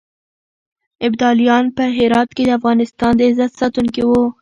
ابدالیان په هرات کې د افغانستان د عزت ساتونکي وو.